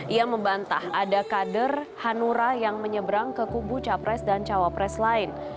ia membantah ada kader hanura yang menyeberang ke kubu capres dan cawapres lain